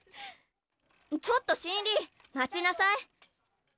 ちょっと新入りまちなさい。